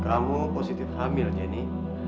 kamu positif hamil jenny